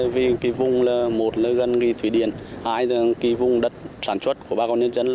vì vùng một là gần ghi thủy điện hai là vùng đất sản xuất của bà con nhân dân